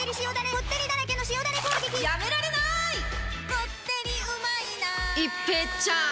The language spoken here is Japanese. こってりうまいな一平ちゃーん！